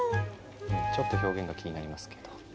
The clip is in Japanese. ちょっと表現が気になりますけど。